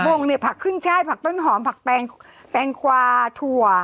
ผักพรุ่งนี่ผักครึ่งชาติผักต้นหอมผักแปงขวาถั่ว